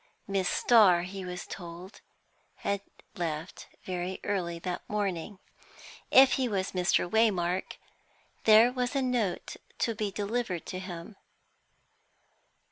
Miss Starr, he was told, had left very early that morning; if he was Mr. Waymark, there was a note to be delivered to him.